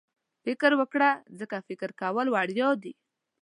فکر وکړه ځکه فکر کول وړیا دي.